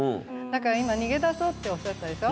今逃げ出そうっておっしゃったでしょ。